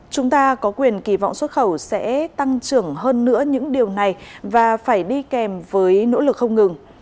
chúng ta có quyền kỳ vọng xuất khẩu sẽ tăng trưởng hơn nữa những điều này và phải đi kèm với nỗ lực không ngừng